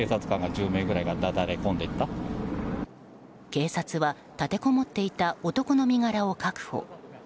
警察は立てこもっていた男の身柄を確保。